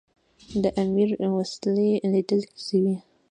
د امیر وسلې لیدل سوي.